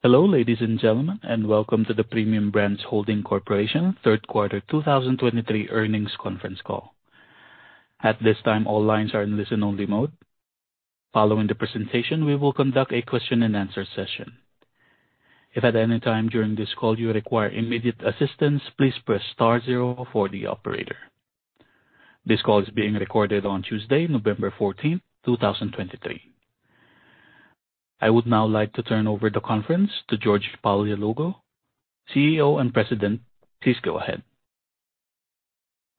Hello, ladies and gentlemen, and welcome to the Premium Brands Holdings Corporation third quarter 2023 earnings conference call. At this time, all lines are in listen-only mode. Following the presentation, we will conduct a question-and-answer session. If at any time during this call you require immediate assistance, please press star zero for the operator. This call is being recorded on Tuesday, November 14, 2023. I would now like to turn over the conference to George Paleologou, CEO and President. Please go ahead.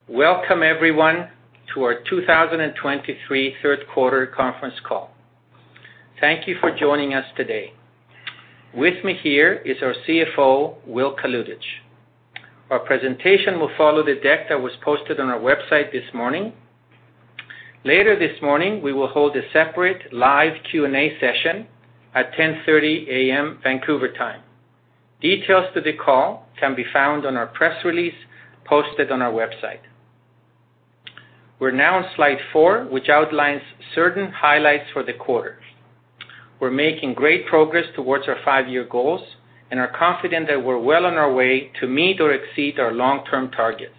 Welcome, everyone, to our 2023 third quarter conference call. Thank you for joining us today. With me here is our CFO, Will Kalutycz. Our presentation will follow the deck that was posted on our website this morning. Later this morning, we will hold a separate live Q&A session at 10:30 A.M. Vancouver time. Details to the call can be found on our press release posted on our website. We're now on slide four, which outlines certain highlights for the quarter. We're making great progress towards our 5-year goals and are confident that we're well on our way to meet or exceed our long-term targets.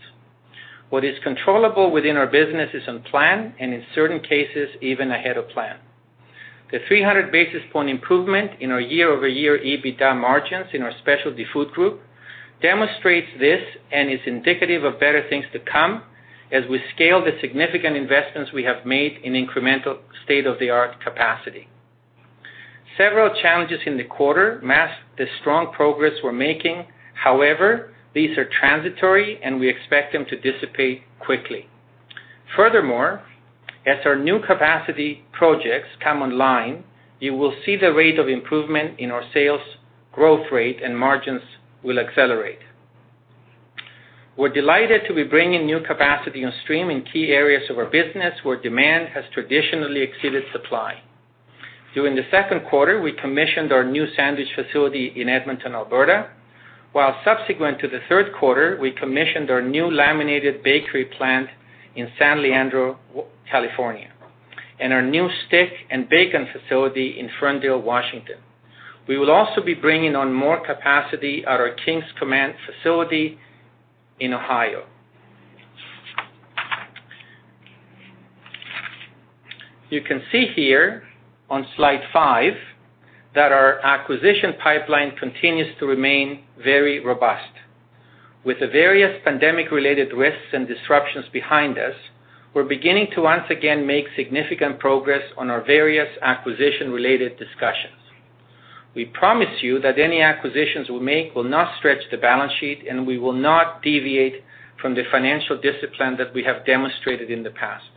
What is controllable within our business is on plan and in certain cases, even ahead of plan. The 300 basis point improvement in our year-over-year EBITDA margins in our Specialty Foods group demonstrates this and is indicative of better things to come as we scale the significant investments we have made in incremental state-of-the-art capacity. Several challenges in the quarter masked the strong progress we're making. However, these are transitory, and we expect them to dissipate quickly. Furthermore, as our new capacity projects come online, you will see the rate of improvement in our sales growth rate, and margins will accelerate. We're delighted to be bringing new capacity on stream in key areas of our business where demand has traditionally exceeded supply. During the second quarter, we commissioned our new sandwich facility in Edmonton, Alberta, while subsequent to the third quarter, we commissioned our new laminated bakery plant in San Leandro, California, and our new stick and bacon facility in Ferndale, Washington. We will also be bringing on more capacity at our King's Command facility in Ohio. You can see here on slide five that our acquisition pipeline continues to remain very robust. With the various pandemic-related risks and disruptions behind us, we're beginning to once again make significant progress on our various acquisition-related discussions. We promise you that any acquisitions we make will not stretch the balance sheet, and we will not deviate from the financial discipline that we have demonstrated in the past.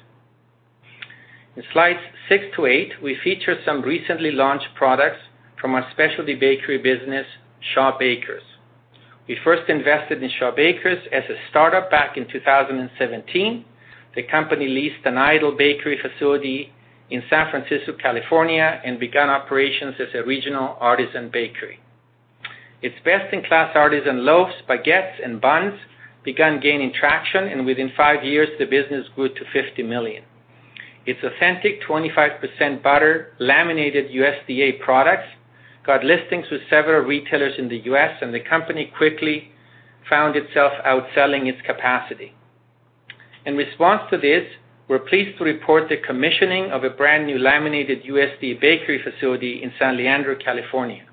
In slides six-eight, we feature some recently launched products from our specialty bakery business, Shaw Bakers. We first invested in Shaw Bakers as a startup back in 2017. The company leased an idle bakery facility in San Francisco, California, and began operations as a regional artisan bakery. Its best-in-class artisan loaves, baguettes, and buns began gaining traction, and within five years, the business grew to $50 million. Its authentic 25% butter laminated USDA products got listings with several retailers in the U.S., and the company quickly found itself outselling its capacity. In response to this, we're pleased to report the commissioning of a brand new laminated USDA bakery facility in San Leandro, California.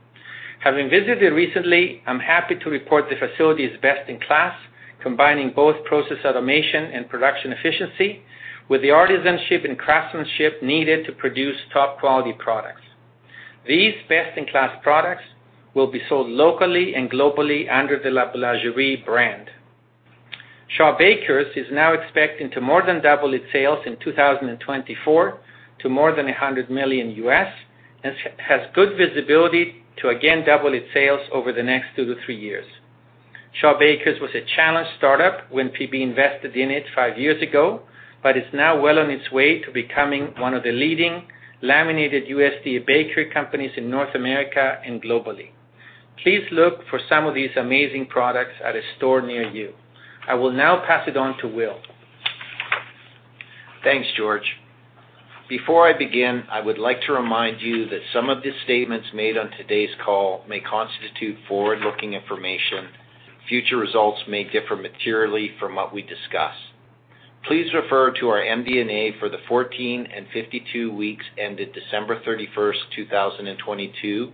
Having visited recently, I'm happy to report the facility is best in class, combining both process automation and production efficiency with the artisanship and craftsmanship needed to produce top-quality products. These best-in-class products will be sold locally and globally under the La Boulangerie brand. Shaw Bakers is now expecting to more than double its sales in 2024 to more than $100 million, and has good visibility to again double its sales over the next 2-3 years. Shaw Bakers was a challenged startup when PB invested in it five years ago, but is now well on its way to becoming one of the leading laminated USDA bakery companies in North America and globally. Please look for some of these amazing products at a store near you. I will now pass it on to Will. Thanks, George. Before I begin, I would like to remind you that some of the statements made on today's call may constitute forward-looking information. Future results may differ materially from what we discuss. Please refer to our MD&A for the 14 and 52 weeks ended December 31, 2022,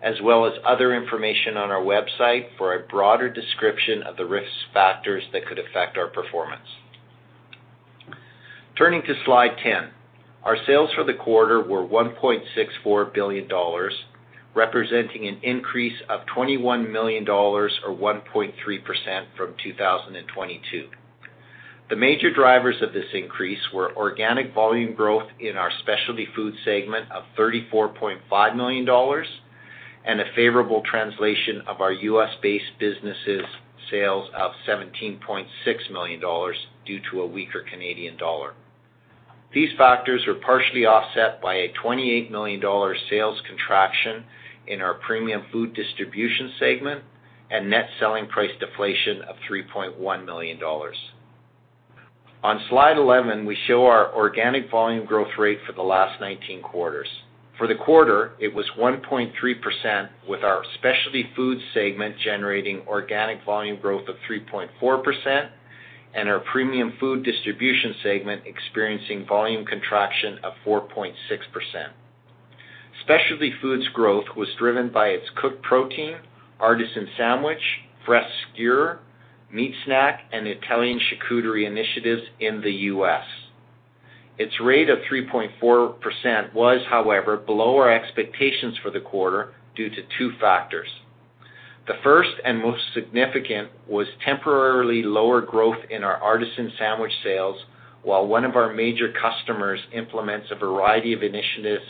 as well as other information on our website for a broader description of the risk factors that could affect our performance. Turning to slide 10, our sales for the quarter were 1.64 billion dollars, representing an increase of 21 million dollars, or 1.3% from 2022. The major drivers of this increase were organic volume growth in our Specialty Foods segment of 34.5 million dollars and a favorable translation of our U.S.-based businesses' sales of 17.6 million dollars due to a weaker Canadian dollar. These factors were partially offset by a 28 million dollar sales contraction in our Premium Food Distribution segment and net selling price deflation of 3.1 million dollars. On slide 11, we show our organic volume growth rate for the last 19 quarters. For the quarter, it was 1.3%, with our Specialty Foods segment generating organic volume growth of 3.4% and our Premium Food Distribution segment experiencing volume contraction of 4.6%. Specialty Foods growth was driven by its cooked protein, artisan sandwich, fresh skewer, meat snack, and Italian charcuterie initiatives in the U.S. Its rate of 3.4% was, however, below our expectations for the quarter due to two factors. The first, and most significant, was temporarily lower growth in our artisan sandwich sales, while one of our major customers implements a variety of initiatives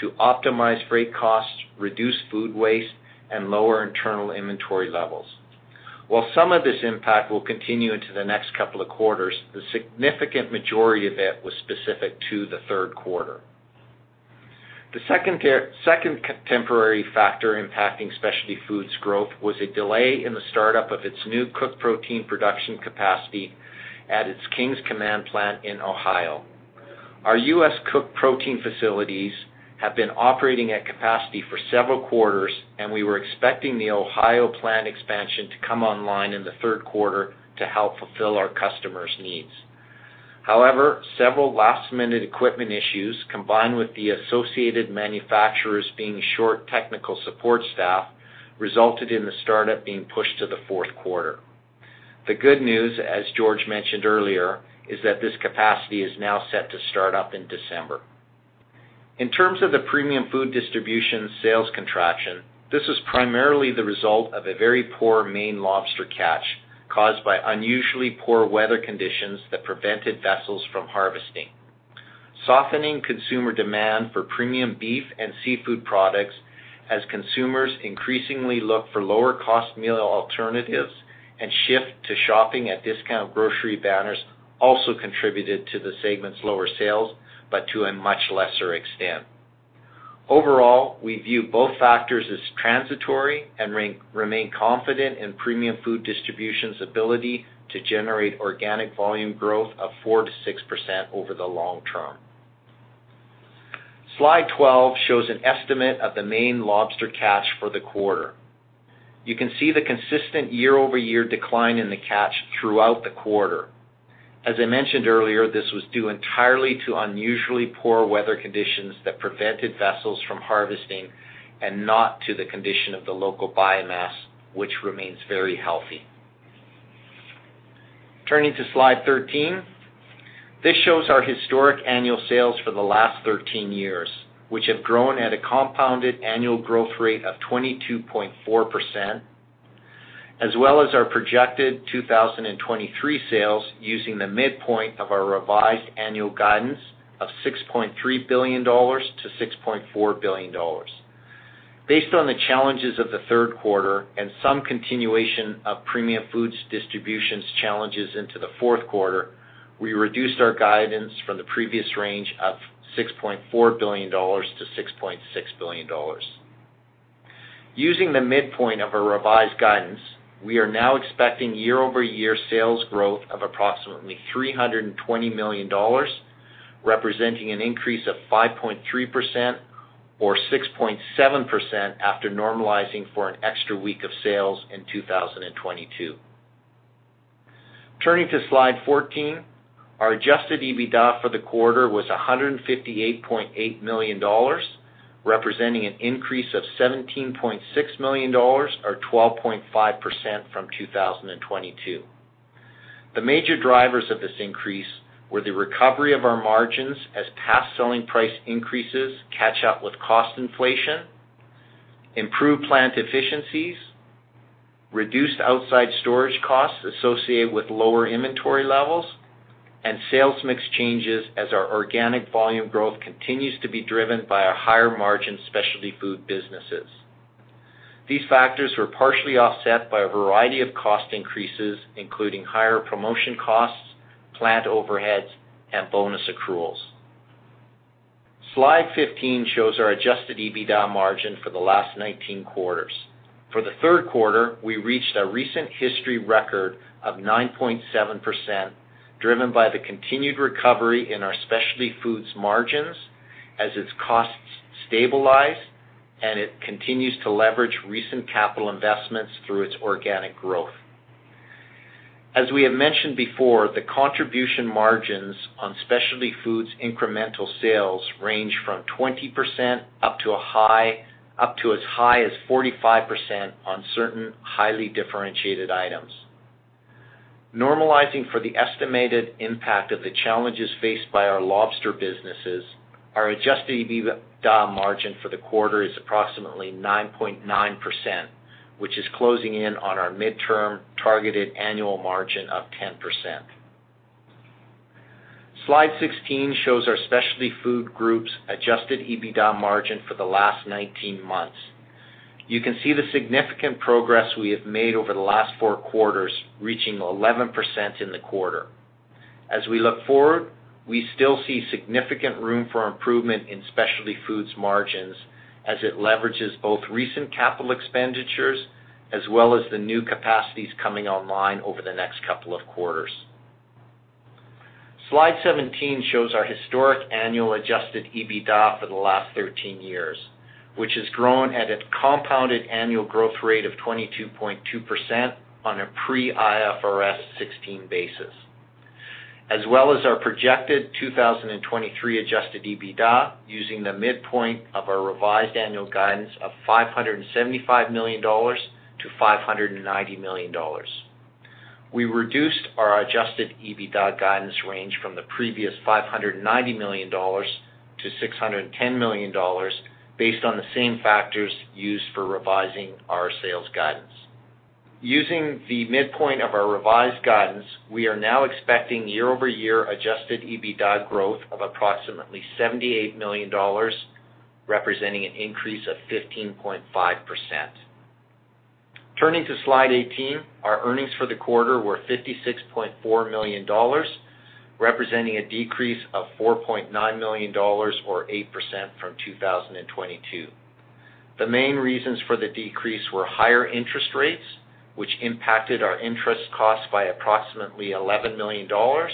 to optimize freight costs, reduce food waste, and lower internal inventory levels. While some of this impact will continue into the next couple of quarters, the significant majority of it was specific to the third quarter. The second contemporary factor impacting Specialty Foods growth was a delay in the startup of its new cooked protein production capacity at its King's Command plant in Ohio. Our U.S. cooked protein facilities have been operating at capacity for several quarters, and we were expecting the Ohio plant expansion to come online in the third quarter to help fulfill our customers' needs. However, several last-minute equipment issues, combined with the associated manufacturers being short technical support staff, resulted in the startup being pushed to the fourth quarter. The good news, as George mentioned earlier, is that this capacity is now set to start up in December. In terms of the Premium Food Distribution sales contraction, this is primarily the result of a very poor Maine lobster catch, caused by unusually poor weather conditions that prevented vessels from harvesting. Softening consumer demand for premium beef and seafood products, as consumers increasingly look for lower-cost meal alternatives and shift to shopping at discount grocery banners, also contributed to the segment's lower sales, but to a much lesser extent. Overall, we view both factors as transitory and remain confident in Premium Food Distribution's ability to generate organic volume growth of 4%-6% over the long term. Slide 12 shows an estimate of the Maine lobster catch for the quarter. You can see the consistent year-over-year decline in the catch throughout the quarter. As I mentioned earlier, this was due entirely to unusually poor weather conditions that prevented vessels from harvesting, and not to the condition of the local biomass, which remains very healthy. Turning to slide 13, this shows our historic annual sales for the last 13 years, which have grown at a compounded annual growth rate of 22.4%, as well as our projected 2023 sales, using the midpoint of our revised annual guidance of 6.3 billion-6.4 billion dollars. Based on the challenges of the third quarter and some continuation of premium foods distributions challenges into the fourth quarter, we reduced our guidance from the previous range of 6.4 billion-6.6 billion dollars. Using the midpoint of our revised guidance, we are now expecting year-over-year sales growth of approximately 320 million dollars, representing an increase of 5.3% or 6.7% after normalizing for an extra week of sales in 2022. Turning to slide 14, our Adjusted EBITDA for the quarter was 158.8 million dollars, representing an increase of 17.6 million dollars, or 12.5% from 2022. The major drivers of this increase were the recovery of our margins as past selling price increases catch up with cost inflation, improved plant efficiencies, reduced outside storage costs associated with lower inventory levels, and sales mix changes as our organic volume growth continues to be driven by our higher-margin Specialty Foods businesses. These factors were partially offset by a variety of cost increases, including higher promotion costs, plant overheads, and bonus accruals. Slide 15 shows our Adjusted EBITDA margin for the last 19 quarters. For the third quarter, we reached a recent history record of 9.7%, driven by the continued recovery in our Specialty Foods margins as its costs stabilize, and it continues to leverage recent capital investments through its organic growth. As we have mentioned before, the contribution margins on Specialty Foods incremental sales range from 20% up to a high-- up to as high as 45% on certain highly differentiated items. Normalizing for the estimated impact of the challenges faced by our lobster businesses, our Adjusted EBITDA margin for the quarter is approximately 9.9%, which is closing in on our midterm targeted annual margin of 10%. Slide 16 shows our Specialty Foods group's Adjusted EBITDA margin for the last 19 months. You can see the significant progress we have made over the last 4 quarters, reaching 11% in the quarter. As we look forward, we still see significant room for improvement in Specialty Foods margins as it leverages both recent capital expenditures as well as the new capacities coming online over the next couple of quarters. Slide 17 shows our historic annual Adjusted EBITDA for the last 13 years, which has grown at a compounded annual growth rate of 22.2% on a pre-IFRS 16 basis, as well as our projected 2023 Adjusted EBITDA, using the midpoint of our revised annual guidance of 575 million-590 million dollars. We reduced our Adjusted EBITDA guidance range from the previous 590 million dollars to 610 million dollars, based on the same factors used for revising our sales guidance. Using the midpoint of our revised guidance, we are now expecting year-over-year Adjusted EBITDA growth of approximately 78 million dollars, representing an increase of 15.5%. Turning to slide 18. Our earnings for the quarter were 56.4 million dollars, representing a decrease of 4.9 million dollars, or 8% from 2022. The main reasons for the decrease were higher interest rates, which impacted our interest costs by approximately 11 million dollars,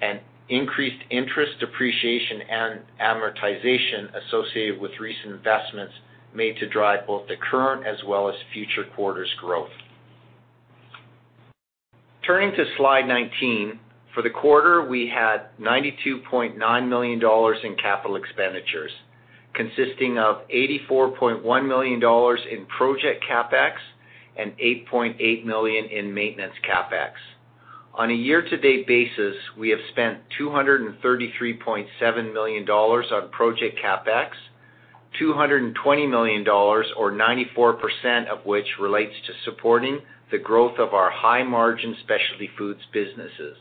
and increased interest, depreciation, and amortization associated with recent investments made to drive both the current as well as future quarters growth. Turning to slide 19. For the quarter, we had 92.9 million dollars in capital expenditures, consisting of 84.1 million dollars in project CapEx and 8.8 million in maintenance CapEx. On a year-to-date basis, we have spent 233.7 million dollars on project CapEx, 220 million dollars or 94% of which relates to supporting the growth of our high-margin Specialty Foods businesses.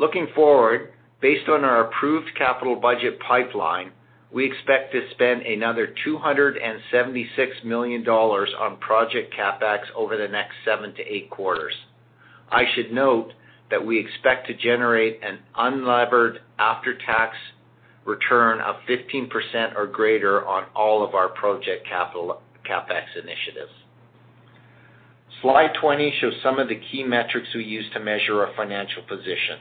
Looking forward, based on our approved capital budget pipeline, we expect to spend another 276 million dollars on project CapEx over the next 7-8 quarters. I should note that we expect to generate an unlevered after-tax return of 15% or greater on all of our project capital CapEx initiatives. Slide 20 shows some of the key metrics we use to measure our financial position.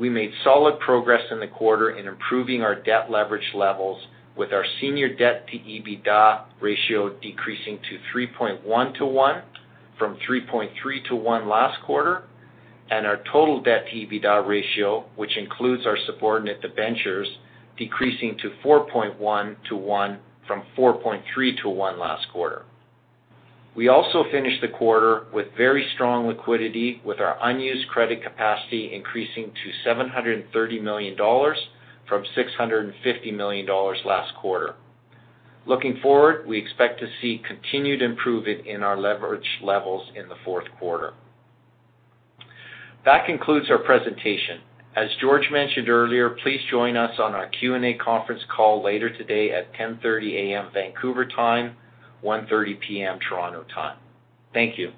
We made solid progress in the quarter in improving our debt leverage levels with our senior debt-to-EBITDA ratio decreasing to 3.1:1 from 3.3:1 last quarter, and our total debt-to-EBITDA ratio, which includes our subordinate debentures, decreasing to 4.1:1 from 4.3:1 last quarter. We also finished the quarter with very strong liquidity, with our unused credit capacity increasing to 730 million dollars from 650 million dollars last quarter. Looking forward, we expect to see continued improvement in our leverage levels in the fourth quarter. That concludes our presentation. As George mentioned earlier, please join us on our Q&A conference call later today at 10:30 A.M., Vancouver time, 1:30 P.M., Toronto time. Thank you.